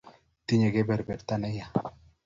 tinye kebeberta ne ya